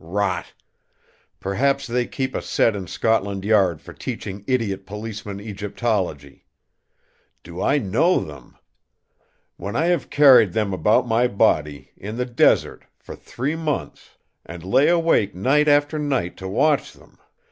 Rot! Perhaps they keep a set in Scotland Yard for teaching idiot policemen Egyptology! Do I know them? When I have carried them about my body, in the desert, for three months; and lay awake night after night to watch them!